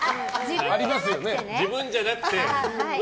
自分じゃなくてね。